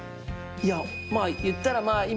いやまあ言ったらまあ